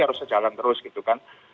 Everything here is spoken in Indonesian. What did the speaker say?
harus sejalan terus gitu kan